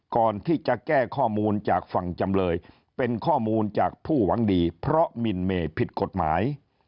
ก่อนที่จะแก้ข้อมูลจากฝั่งจำเลยเป็นข้อมูลจากผู้หวังดีเพราะมินเมย์ผิดกฎหมาย